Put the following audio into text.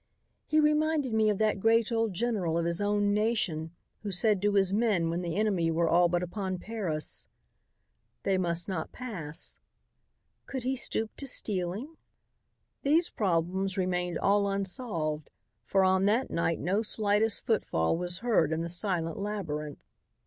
He reminded me of that great old general of his own nation who said to his men when the enemy were all but upon Paris: 'They must not pass.' Could he stoop to stealing?" These problems remained all unsolved, for on that night no slightest footfall was heard in the silent labyrinth.